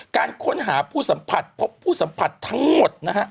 การค้นหาผู้สัมผัสพบผู้สัมผัสทั้งหมดนะฮะ